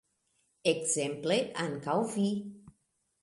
Ekzemple ankaŭ vi.